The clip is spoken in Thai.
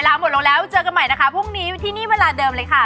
หมดลงแล้วเจอกันใหม่นะคะพรุ่งนี้อยู่ที่นี่เวลาเดิมเลยค่ะ